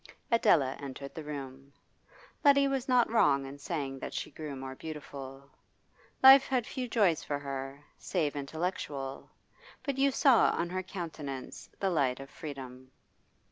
Adela entered the room. Letty was not wrong in saying that she grew more beautiful. Life had few joys for her, save intellectual, but you saw on her countenance the light of freedom.